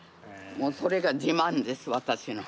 もうそれが自慢です私の。